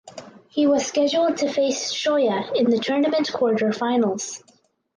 He was scheduled to face Shoya in the tournament quarterfinals.